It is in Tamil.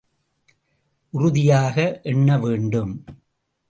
உறுதியாக எண்ண வேண்டும்.